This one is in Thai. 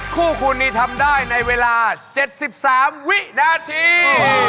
คู่คุณนี่ทำได้ในเวลา๗๓วินาที